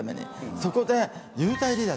そこで幽体離脱。